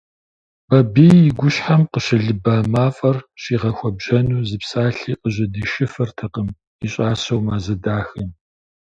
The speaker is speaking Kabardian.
Бабий и гущхьэм къыщылыба мафӀэр щӀигъэхуэбжьэну зы псалъи къыжьэдишыфыртэкъым и щӀасэу Мазэ дахэм.